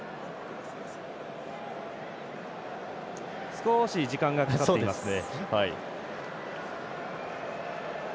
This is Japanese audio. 少し時間がかかっていますね。